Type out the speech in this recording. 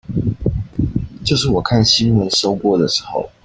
就是我看新聞收播的時候